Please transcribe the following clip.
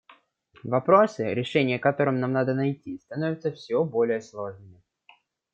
Вопросы, решения которым нам надо найти, становятся все более сложными.